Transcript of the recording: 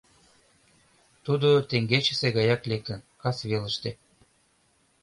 Тудо теҥгечысе гаяк лектын: касвелыште.